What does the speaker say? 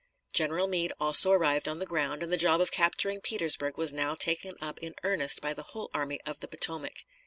General Meade also arrived on the ground, and the job of capturing Petersburg was now taken up in earnest by the whole Army of the Potomac.